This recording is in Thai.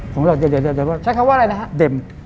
ใช้คำว่าอะไรนะครับ